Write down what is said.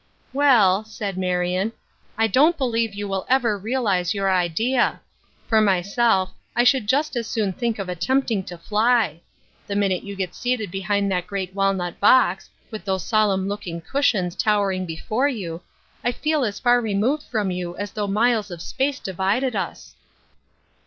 " Well," said Marion, " I don't believe you will ever realize your idea. For myself, I should just as soon think of attempting to fly. The minute you get seated behind that great walnut box, with those solemn looking cusliions tower trom Different Standpoints, 95 Ing before you, I feel as far removed from you a». though miles of space divided us."